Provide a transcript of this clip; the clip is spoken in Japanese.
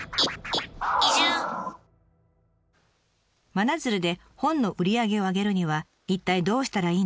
真鶴で本の売り上げを上げるには一体どうしたらいいのか？